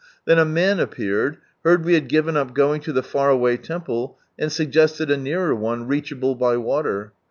Then a man appeared, heard we had given up going to the far away temple, and suggested a nearer one, reachable by water.